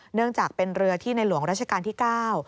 เนื่องจากเป็นเรือที่ในหลวงราชการที่๙